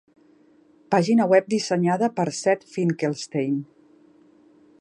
Pàgina web dissenyada per Seth Finkelstein.